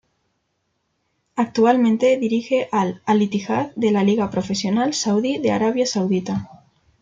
Actualmente dirige al Al-Ittihad de la Liga Profesional Saudí de Arabia Saudita.